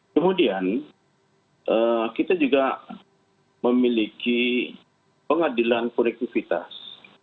kemudian kita juga memiliki pengadilan konektivitas